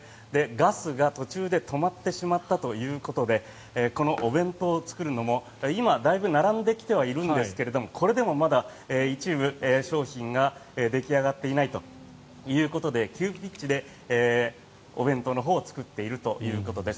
ガスが途中で止まってしまったということでこのお弁当を作るのも今、だいぶ並んできてはいるんですがこれでもまだ一部商品が出来上がっていないということで急ピッチでお弁当のほうを作っているということです。